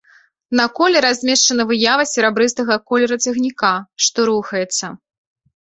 На коле размешчана выява серабрыстага колеру цягніка, што рухаецца.